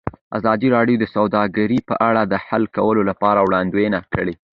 ازادي راډیو د سوداګري په اړه د حل کولو لپاره وړاندیزونه کړي.